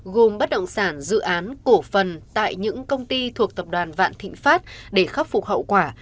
gồm bất động sản dự án cổ phần tại những công ty thuộc tập đoàn vạn thịnh pháp để khắc phục hậu quả